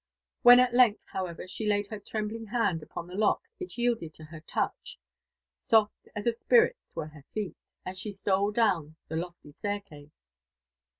When at length, however, she laid her trembling hand upon the lock, if yielded to her looch. tt Soft as a spirit's were her feet,'' as she stole down the lofty staircase.